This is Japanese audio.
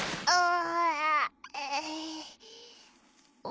あ。